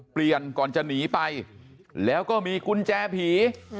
เปลี่ยนก่อนจะหนีไปแล้วก็มีกุญแจผี